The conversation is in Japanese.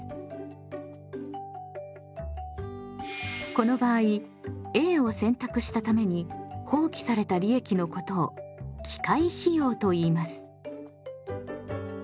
この場合Ａを選択したために放棄された利益のことを機会費用といいます。